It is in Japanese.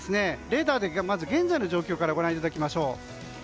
レーダーで現在の状況からご覧いただきましょう。